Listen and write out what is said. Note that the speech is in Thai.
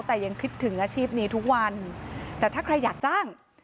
แต่ยังคิดถึงอาชีพนี้ทุกวันแต่ถ้าใครอยากจ้าง